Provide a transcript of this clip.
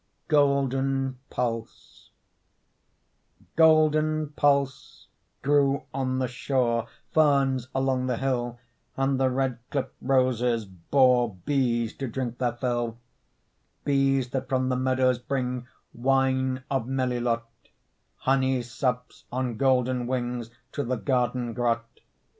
GOLDEN PULSE Golden pulse grew on the shore, Ferns along the hill, And the red cliff roses bore Bees to drink their fill; Bees that from the meadows bring Wine of melilot, Honey sups on golden wing To the garden grot.